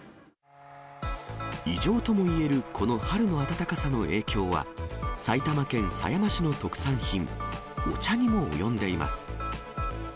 異常ともいえるこの春の暖かさの影響は、埼玉県狭山市の特産品、お茶にも及んでいます。